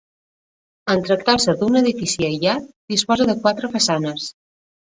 En tractar-se d'un edifici aïllat, disposa de quatre façanes.